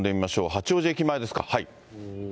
八王子駅前ですか。